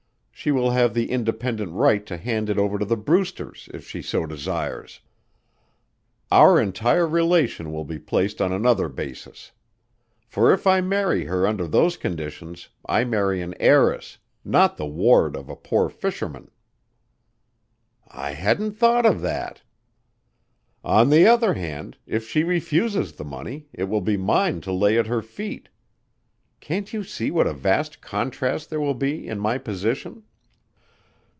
She will have the independent right to hand it over to the Brewsters if she so desires. Our entire relation will be placed on another basis; for if I marry her under those conditions I marry an heiress, not the ward of a poor fisherman." "I hadn't thought of that." "On the other hand, if she refuses the money, it will be mine to lay at her feet. Can't you see what a vast contrast there will be in my position?"